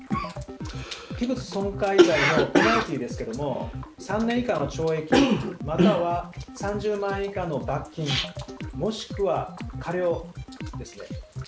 器物損壊罪のペナルティーですが３年以下の懲役または３０万円以下の罰金もしくは科料ですね。